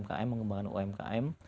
fokus umkm mengembangkan umkm